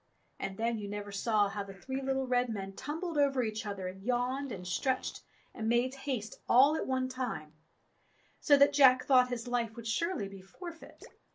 And then you never saw how the three little red men tumbled over each other and yawned and stretched and made haste all at one time, so that Jack thought his life would surely be forfeit.